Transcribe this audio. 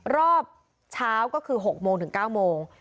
รอบเช้าก็คือ๖โมงถึง๙โมง